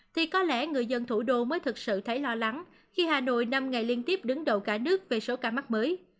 thì có lẽ người dân thủ đô mới thật sự thấy lo lắng khi hà nội năm ngày liên tiếp đứng đầu cả nước về số ca mắc mới